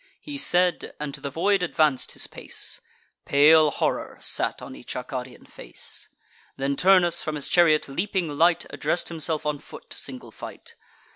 He said, and to the void advanc'd his pace: Pale horror sate on each Arcadian face. Then Turnus, from his chariot leaping light, Address'd himself on foot to single fight.